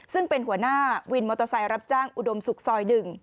ซึ่งเป็นหัวหน้าวินมอเตอร์ไซค์รับจ้างอุดมศุกร์ซอย๑